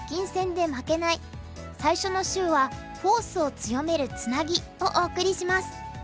最初の週は「フォースを強めるツナギ」をお送りします。